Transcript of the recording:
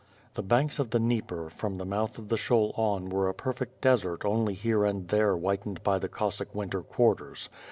The banks of the Dnieper, from the mouth of the Pshol on were a perfect desert only here and there whitened by the Cossack winter quarters.